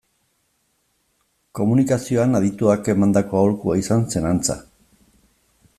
Komunikazioan adituek emandako aholkua izan zen, antza.